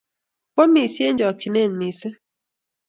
kiomisio eng' chokchine mising